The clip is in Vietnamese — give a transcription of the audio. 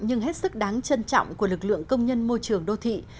nhưng hết sức đáng trân trọng của lực lượng công nhân môi trường đô thị